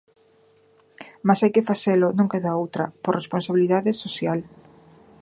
Mais hai que facelo, non queda outra, por responsabilidade social.